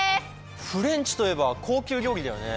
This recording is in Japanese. フレンチといえば高級料理だよね。